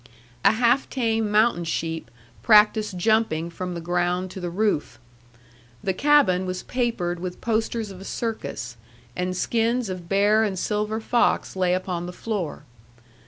A half tame mountain sheep practised jumping from the ground to the roof. The cabin was papered with posters of a circus, and skins of bear and silver fox lay upon the floor.